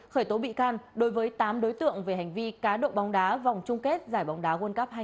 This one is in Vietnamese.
khởi tố bị can đối với tám đối tượng về hành vi cá độ bóng đá vòng chung kết giải bóng đá world cup hai nghìn một mươi tám